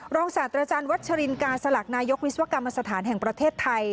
ศาสตราจารย์วัชรินกาสลักนายกวิศวกรรมสถานแห่งประเทศไทย